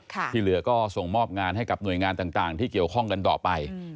ที่เหลือก็ส่งมอบงานให้กับหน่วยงานต่างที่เกี่ยวข้องกันต่อไป